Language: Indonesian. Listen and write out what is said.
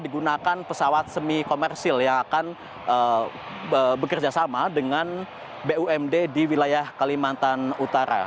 digunakan pesawat semi komersil yang akan bekerjasama dengan bumd di wilayah kalimantan utara